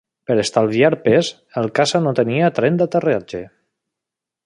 Per estalviar pes, el caça no tenia tren d'aterratge.